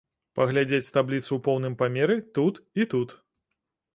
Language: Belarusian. Паглядзець табліцу ў поўным памеры тут і тут.